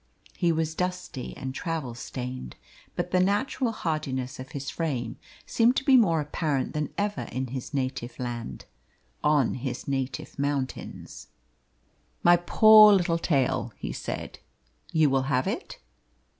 He was dusty and travel stained, but the natural hardiness of his frame seemed to be more apparent than ever in his native land, on his native mountains. "My poor little tale," he said; "you will have it?"